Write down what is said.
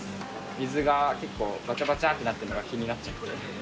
水が結構、ばちゃばちゃってなっているのが気になっちゃって。